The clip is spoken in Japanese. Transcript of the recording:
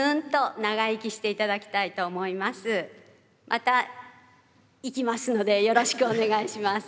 また行きますのでよろしくお願いします。